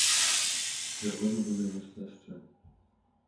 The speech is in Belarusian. Верагодна, была і нешта яшчэ.